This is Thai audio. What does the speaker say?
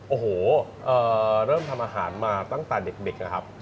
โอ้โหเริ่มทำอาหารมาตั้งแต่เด็กนะครับ